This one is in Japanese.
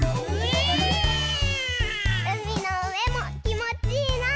うみのうえもきもちいいな！